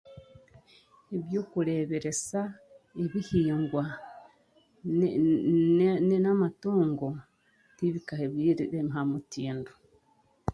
Ebyokureeberesa ebihingwa ne ne n'amatungo tibyakabaire aha mutindo